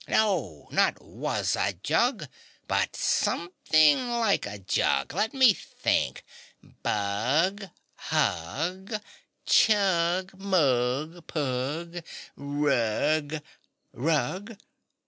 "No, not 'Was a jug' but something like a jug. Let me think Bug, hug, chug, mug, pug, rug RUG?